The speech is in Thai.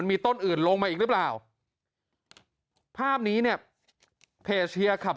มีต้นอื่นลงมาอีกหรือเปล่าภาพนี้เนี่ยเพจเชียร์ขับ